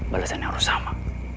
balasan yang harus sama